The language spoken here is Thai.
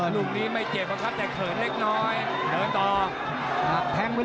แล้วทีมงานน่าสื่อแล้วทีมงานน่าสื่อ